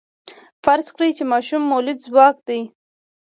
فرض کړئ چې ماشوم مؤلده ځواک دی.